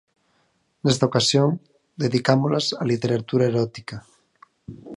Nesta ocasión, dedicámolas á literatura erótica.